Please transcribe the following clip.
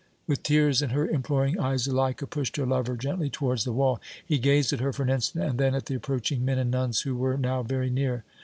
With tears in her imploring eyes, Zuleika pushed her lover gently towards the wall. He gazed at her for an instant and then at the approaching men and nuns, who were now very near.